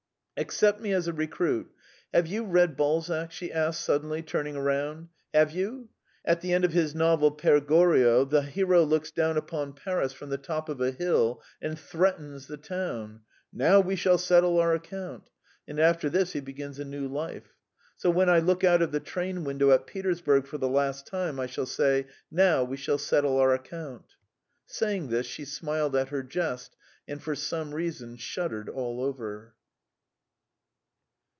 "Accept me as a recruit. Have you read Balzac?" she asked suddenly, turning round. "Have you? At the end of his novel 'Pere Goriot' the hero looks down upon Paris from the top of a hill and threatens the town: 'Now we shall settle our account,' and after this he begins a new life. So when I look out of the train window at Petersburg for the last time, I shall say, 'Now we shall settle our account!'" Saying this, she smiled at her jest, and for some reason shuddered all over.